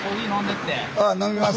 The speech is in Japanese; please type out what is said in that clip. あ飲みます。